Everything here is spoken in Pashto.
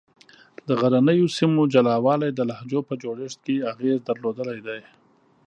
د غرنیو سیمو جلا والي د لهجو په جوړښت کې اغېز درلودلی دی.